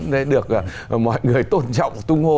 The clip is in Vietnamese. để được mọi người tôn trọng tung hô